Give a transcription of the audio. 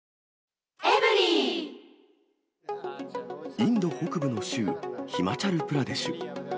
インド北部の州、ヒマチャルプラデシュ。